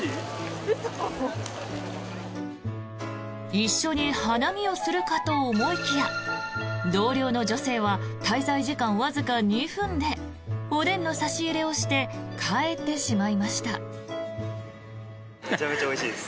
一緒に花見をするかと思いきや同僚の女性は滞在時間わずか２分でおでんの差し入れをして帰ってしまいました。